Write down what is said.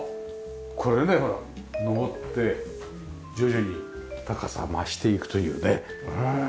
これねほら上って徐々に高さ増していくというね。